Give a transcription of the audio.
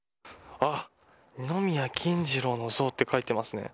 二宮金次郎の像って書いてますね。